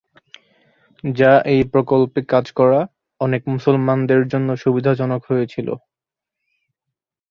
যা এই প্রকল্পে কাজ করা অনেক মুসলমানদের জন্য সুবিধাজনক হয়েছিলো।